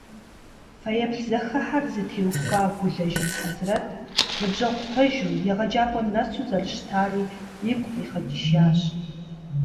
Фэеплъ зэхыхьэр зытеухуа Гулэжын Хьэзрэт ныбжьэгъу пэжу, егъэджакӏуэ нэсу зэрыщытари игу къигъэкӏыжащ.